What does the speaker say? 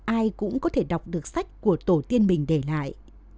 ai cũng có thể đọc được sách của tổ tiên mình để lại